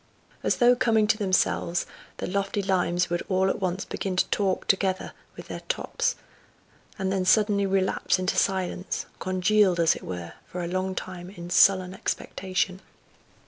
As though coming to themselves the lofty limes would all at once begin to talk together with their tops, and then suddenly relapse into silence, congealed, as it were, for a long time in sullen expectation.